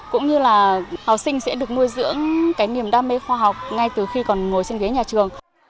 cũng như là học sinh sẽ được nuôi dưỡng cái niềm đam mê khoa học ngay từ khi còn ngồi trên ghế nhà trường